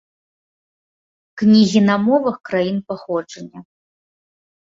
Кнігі на мовах краін паходжання.